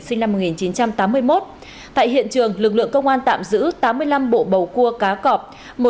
sinh năm một nghìn chín trăm tám mươi một tại hiện trường lực lượng công an tạm giữ tám mươi năm bộ bầu cua cá cọp